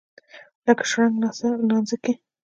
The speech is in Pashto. لکه شرنګ نانځکې.